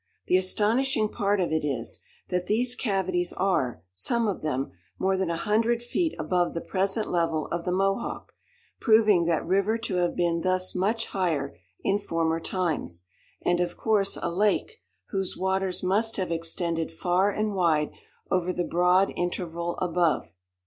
The astonishing part of it is, that these cavities are, some of them, more than a hundred feet above the present level of the Mohawk, proving that river to have been thus much higher in former times, and of course a lake, whose waters must have extended far and wide over the broad interval above.